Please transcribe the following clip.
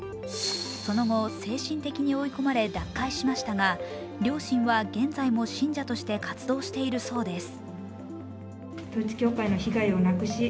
その後、精神的に追い込まれ脱会しましたが、両親は現在も信者として活動しているそうです。